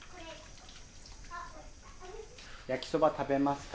焼きそば食べますか？